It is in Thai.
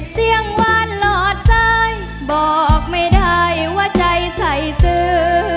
เสียงวานหลอดซ้ายบอกไม่ได้ว่าใจใส่ซื้อ